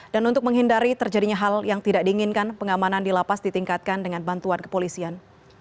dan untuk menghindari terjadinya hal yang tidak diinginkan pengamanan dilapas ditingkatkan dengan bantuan kepolisian